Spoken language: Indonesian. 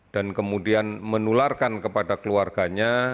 dan kemudian menularkan kepada keluarganya